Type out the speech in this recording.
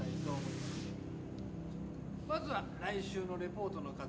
まずは来週のレポートの課題